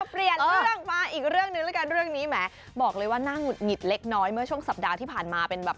เปลี่ยนเรื่องมาอีกเรื่องหนึ่งแล้วกันเรื่องนี้แหมบอกเลยว่าหน้าหงุดหงิดเล็กน้อยเมื่อช่วงสัปดาห์ที่ผ่านมาเป็นแบบ